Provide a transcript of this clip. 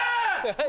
何？